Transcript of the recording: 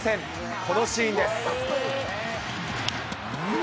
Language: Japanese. このシーンです。